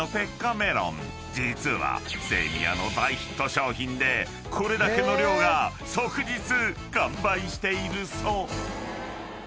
［実はセイミヤの大ヒット商品でこれだけの量が即日完売しているそう］